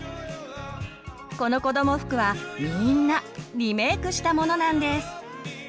このこども服はみんなリメークしたものなんです。